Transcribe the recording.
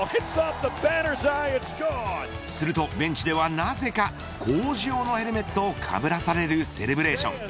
するとベンチではなぜか工事用のヘルメットをかぶらされるセレブレーション。